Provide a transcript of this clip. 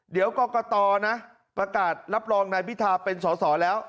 เดี๋ยวกรกตนะประกาศรับรองนายพิธาเป็นสอสอแล้ว